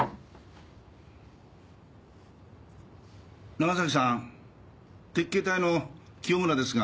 長崎さん鉄警隊の清村ですが。